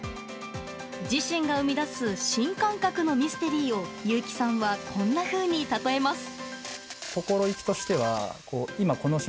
自身が生み出す新感覚のミステリーを結城さんは、こんなふうに例えます。